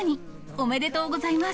おめでとうございます。